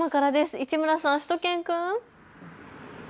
市村さん、しゅと犬くん。